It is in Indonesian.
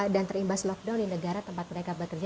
terimbas lockdown di negara tempat mereka bekerja